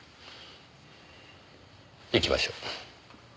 行きましょう。